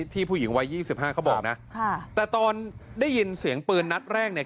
ผู้หญิงวัย๒๕เขาบอกนะค่ะแต่ตอนได้ยินเสียงปืนนัดแรกเนี่ย